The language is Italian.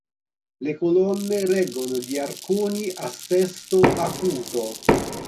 Le colonne reggono gli arconi a sesto acuto.